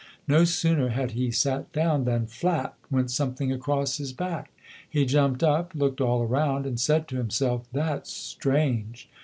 No sooner had he sat down, than "flap" went something across his back. He jumped up, looked all around and said to himself, "That's strange!"